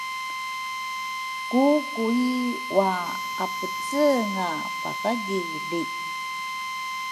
ka Kui wa-apece-nga pathagili.